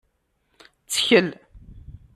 Ttkel!